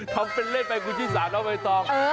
ทำเป็นเล่นแปลกูชิสาน้องไม่ต้อง